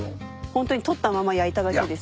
ホントに採ったまま焼いただけです。